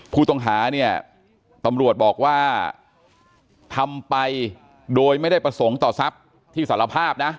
ผู้ต้องหาเนี่ยตำรวจบอกว่าทำไปโดยไม่ได้ประสงค์ต่อทรัพย์ที่สารภาพนะ